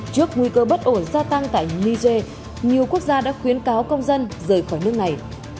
trước nguy cơ bất ổn gia tăng tại niger nhiều quốc gia đã khuyến cáo công dân rời khỏi nước này